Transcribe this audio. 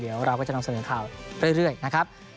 เดี๋ยวเราก็จะนำเสนอข่าวเรื่อยนะครับ